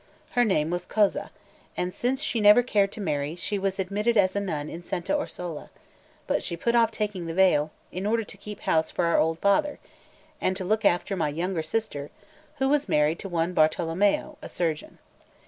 Her name was Cosa; and since she never cared to marry, she was admitted as a nun in Santa Orsola; but she put off taking the veil, in order to keep house for our old father, and to look after my younger sister, who was married to one Bartolommeo, a surgeon.